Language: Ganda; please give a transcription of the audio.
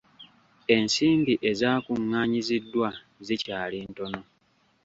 Ensimbi ezaakunganyiziddwa zikyali ntono.